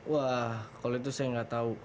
wah kalau itu saya nggak tahu